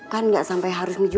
kan gak sampai harga sepatu